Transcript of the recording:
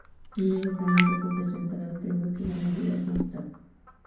Inmediatamente fue presentada al premio, que gana días más tarde.